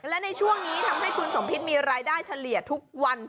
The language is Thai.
และในช่วงนี้ทำให้คุณสมพิษมีรายได้เฉลี่ยทุกวัน